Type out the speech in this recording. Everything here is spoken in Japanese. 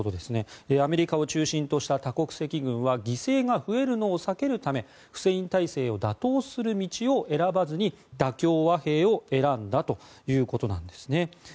アメリカを中心とした多国籍軍は犠牲が増えるのを避けるためフセイン体制を打倒する道を選ばずに、妥協和平を選んだということです。